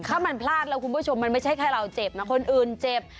ถ้ามันพลาดแล้วคุณผู้ชมมันไม่ใช่แค่เราเจ็บนะคนอื่นเจ็บ